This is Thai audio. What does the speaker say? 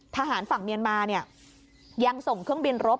ทหารฝั่งเมียนมาเนี่ยยังส่งเครื่องบินรบ